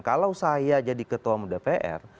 kalau saya jadi ketua dpr